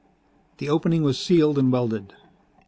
The opening was sealed and welded.